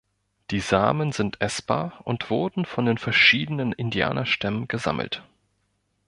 Die Samen sind essbar und wurden von den verschiedenen Indianer-Stämmen gesammelt.